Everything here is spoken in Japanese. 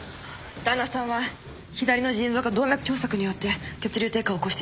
旦那さんは左の腎臓が動脈狭窄によって血流低下を起こしていました。